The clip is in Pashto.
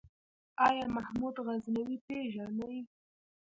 آيا محمود غزنوي پېژنې ؟